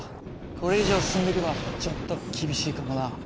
これ以上進んでいくのはちょっと厳しいかもな。